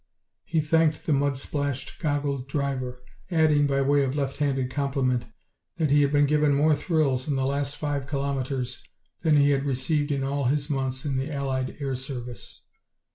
He thanked the mud splashed, goggled driver, adding, by way of left handed compliment, that he had been given more thrills in the last five kilometers than he had received in all his months in the Allied Air Service.